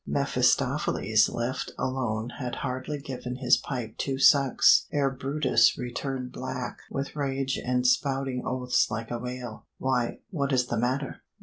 mephistopheles left alone had hardly given his pipe two sucks ere brutus returned black with rage and spouting oaths like a whale. "Why, what is the matter?"